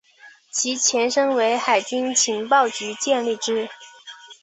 其前身为海军情报局建立之。